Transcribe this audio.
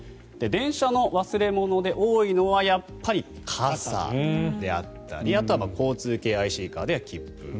電車の忘れ物で多いのはやっぱり傘であったりあとは交通系ＩＣカードや切符